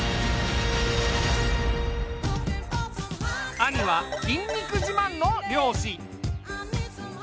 兄は筋肉自慢の漁師。